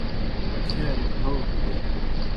مچھاریْ بھاؤ بِلِیانیْ۔